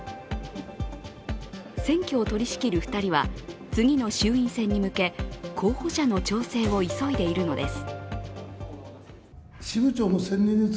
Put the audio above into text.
選挙を取りしきる２人は次の衆院選に向け候補者の調整を急いでいるのです。